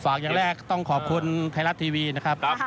อย่างแรกต้องขอบคุณไทยรัฐทีวีนะครับ